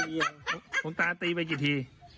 หลวงตาตีไปกี่ที